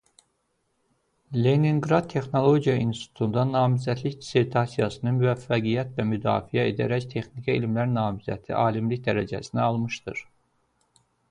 Leninqrad Texnologiya İnstitutunda namizədlik dissertasiyasını müvəffəqiyyətlə müdafiə edərək texniki elmlər namizədi alimlik dərəcəsini almışdır.